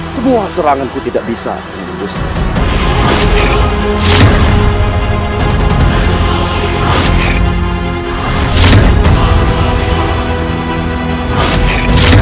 semua serangan ku tidak bisa menelusuri